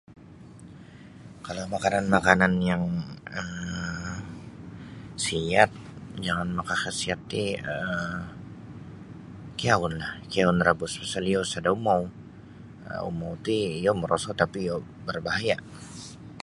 Kalau makanan-makanan yang um siat jangan makahasiat ti um kiaun lah kiaun rabus pasal iyo sada umou um umou ti iyo moroso tapi iyo marbahaya.